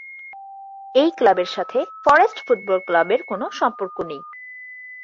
এই ক্লাবের সাথে ফরেস্ট ফুটবল ক্লাবের কোন সম্পর্ক নেই।